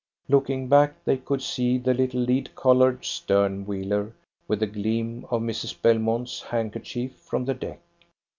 Looking back, they could see the little lead coloured stern wheeler, with the gleam of Mrs. Belmont's handkerchief from the deck.